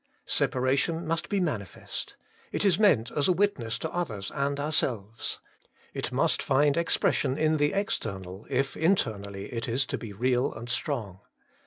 3. Separation must be manifest; it Is meant as a witness to others and ourselves ; it must find expression in the external, if Internally it Is to be real and strong.